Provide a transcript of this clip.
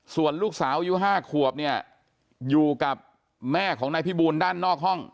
ส่วนลูกสาวอายุ๕ขวบเนี่ยอยู่กับแม่ของนายพิบูลด้านนอกห้อง